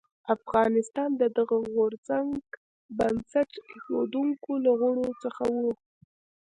افغانستان د دغه غورځنګ بنسټ ایښودونکو له غړو څخه و.